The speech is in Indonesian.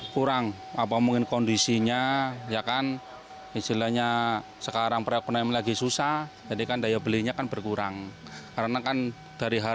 kalau kayak barang barang gede dua puluh persen ada